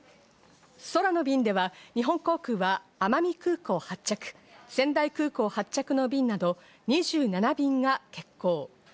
空の便では、日本航空は奄美空港発着、仙台空港発着の便など２７便が欠航。